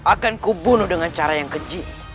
akanku bunuh dengan cara yang kecil